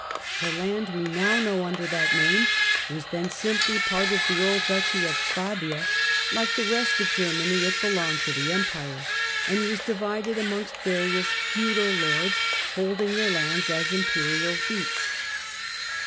The land we now know under that Swabia name was then simply part of the old Duchy of Swabia ; like the rest of Germany it belonged to the Empire, and was divided amongst various feudal lords, holding their lands as Imperial fiefs.